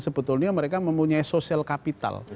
sebetulnya mereka mempunyai sosial kapital